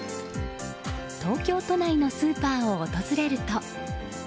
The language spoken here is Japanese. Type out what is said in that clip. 東京都内のスーパーを訪れると。